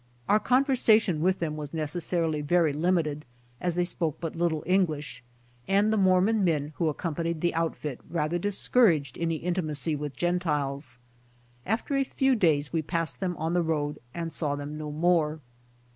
Our conversation with them ^^'as necessarily very limited as they spoke but little English, and the Mormon men who accom panied the outfit rather discouraged any inti macy with gentiles. After a few days we passed them on the road and saw them no more.